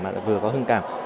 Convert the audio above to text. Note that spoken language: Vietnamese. mà vừa có hương cảm